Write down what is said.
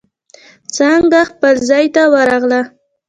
څانگه خپل ځای ته ورغله.